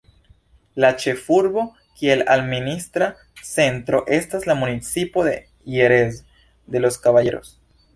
La ĉefurbo, kiel administra centro, estas la municipo de Jerez de los Caballeros.